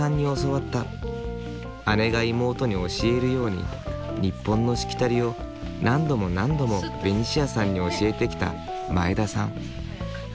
姉が妹に教えるように日本のしきたりを何度も何度もベニシアさんに教えてきた前田さん。